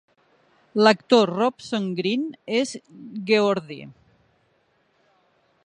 L'actor Robson Green és Geordie.